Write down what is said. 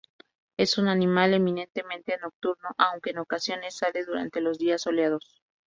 Es un animal eminentemente nocturno, aunque en ocasiones sale durante los días soleados.